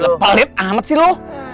lepelit amat sih lo